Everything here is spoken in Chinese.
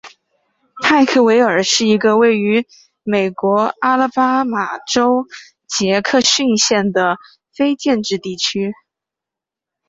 派克维尔是一个位于美国阿拉巴马州杰克逊县的非建制地区。